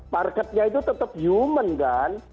marketnya itu tetap human kan